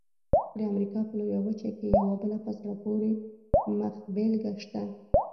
د امریکا په لویه وچه کې یوه بله په زړه پورې مخبېلګه شته.